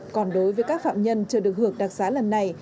còn đối với các phạm nhân chưa được hưởng đặc xá lần này